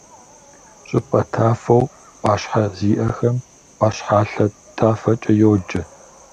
ЩӀыпӀэ тафэу Ӏуащхьэ зиӀэхэм — Ӏуащхьалъэ тафэкӀэ йоджэ.